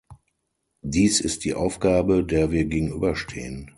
Dies ist die Aufgabe, der wir gegenüberstehen.